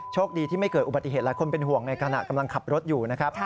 คดีที่ไม่เกิดอุบัติเหตุหลายคนเป็นห่วงในขณะกำลังขับรถอยู่นะครับ